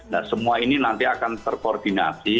dan semua ini nanti akan terkoordinasi